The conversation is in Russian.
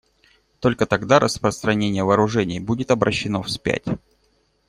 Только тогда распространение вооружений будет обращено вспять.